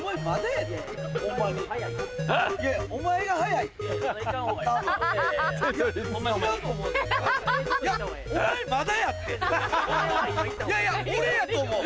いやいや俺やと思う。